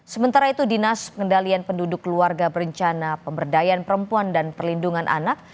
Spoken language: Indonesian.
sementara itu dinas pengendalian penduduk keluarga berencana pemberdayaan perempuan dan perlindungan anak